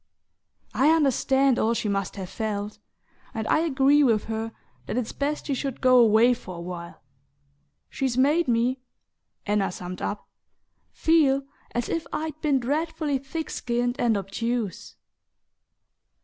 I understand all she must have felt, and I agree with her that it's best she should go away for a while. She's made me," Anna summed up, "feel as if I'd been dreadfully thick skinned and obtuse!"